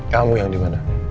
kamu yang dimana